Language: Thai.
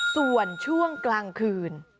ส่วนช่วงกลางคืน